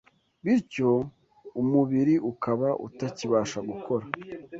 bityo umubiri ukaba utakibasha gukora